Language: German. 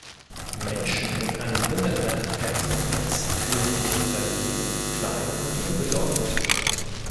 Menschen mit einem Minderwertigkeitskomplex fühlen sich unterlegen, klein und unbedeutend.